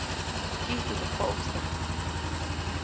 Kijtu teʼ poʼkstäjk.